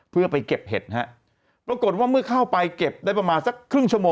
เพื่อไปเก็บเห็ดฮะปรากฏว่าเมื่อเข้าไปเก็บได้ประมาณสักครึ่งชั่วโมง